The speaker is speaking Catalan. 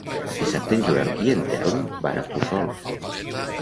Dissabte en Joel i en Telm van a Puçol.